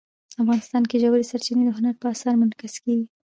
افغانستان کې ژورې سرچینې د هنر په اثار کې منعکس کېږي.